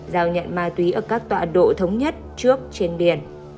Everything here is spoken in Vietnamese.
giao nhận ma túy ở các tọa độ thống nhất trước trên biển